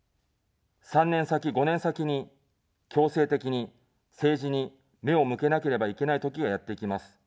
３年先、５年先に、強制的に政治に目を向けなければいけないときがやってきます。